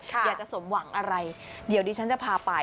อยากจะสมหวังอะไรเดี๋ยวดิฉันจะพาไป